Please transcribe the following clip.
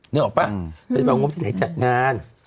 นึกออกป่ะไปเอางบที่ไหนจัดงาน